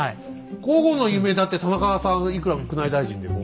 皇后の夢だって田中さんいくら宮内大臣でも。